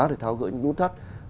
để tháo gỡ những nút thắt